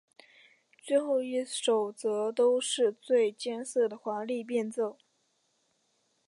最后一首则都是最艰涩的华丽变奏。